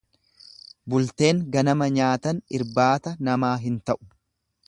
Bulteen ganama nyaatan irbaata namaa hin ta'u.